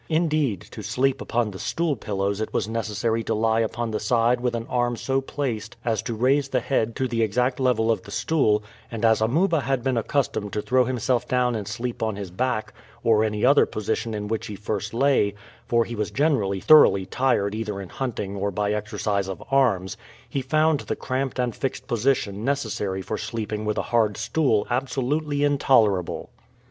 Indeed, to sleep upon the stool pillows it was necessary to lie upon the side with an arm so placed as to raise the head to the exact level of the stool, and as Amuba had been accustomed to throw himself down and sleep on his back or any other position in which he first lay, for he was generally thoroughly tired either in hunting or by exercise of arms, he found the cramped and fixed position necessary for sleeping with a hard stool absolutely intolerable.